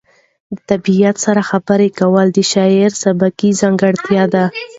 د طبیعت سره خبرې کول د شاعر سبکي ځانګړنه ده.